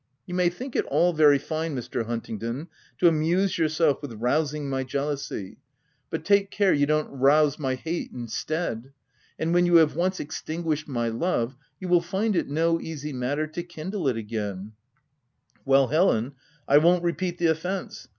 " You may think it all very fine, Mr. Huntingdon, to amuse yourself with rousing my jealousy ; but OF W1LDFELL HALL. 139 take care you don't rouse my hate instead. And when you have once extinguished my love, you will find it no easy matter to kindle it again *" Well Helen, I won't repeat the offence.